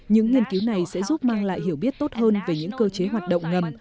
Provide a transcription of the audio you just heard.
những nghiên cứu này sẽ giúp mang lại hiểu biết tốt hơn về những cơ chế hoạt động ngầm